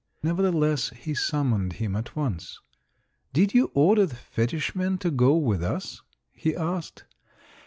Nevertheless, he summoned him at once. "Did you order the fetish men to go with us?" he asked.